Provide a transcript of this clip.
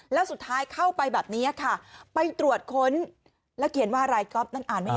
แล้วสุดท้ายเข้าไปแบบนี้ค่ะไปตรวจค้นแล้วเขียนว่าอะไรก๊อฟนั่นอ่านไม่เห็น